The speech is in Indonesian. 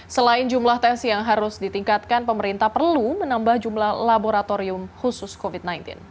selain jumlah tes yang harus ditingkatkan pemerintah perlu menambah jumlah laboratorium khusus covid sembilan belas